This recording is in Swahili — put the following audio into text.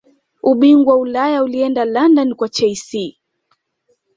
ubingwa wa ulaya ulienda london kwa chelsea